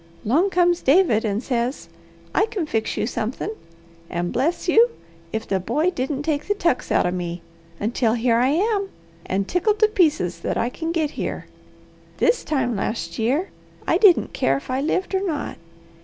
'Long comes David and says, 'I can fix you somethin',' and bless you, if the boy didn't take the tucks out of me, until here I am, and tickled to pieces that I can get here. This time last year I didn't care if I lived or not.